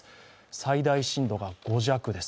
最大震度が５弱です。